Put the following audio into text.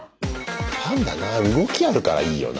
パンダな動きあるからいいよな。